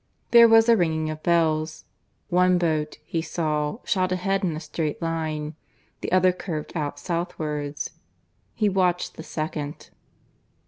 There was a ringing of bells; one boat, he saw, shot ahead in a straight line, the other curved out southwards. He watched the second.